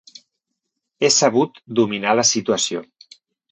He sabut dominar la situació.